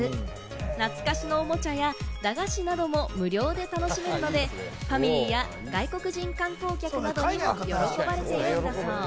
懐かしのおもちゃや、駄菓子なども無料で楽しめるので、ファミリーや外国人観光客などにも喜ばれているんだそう。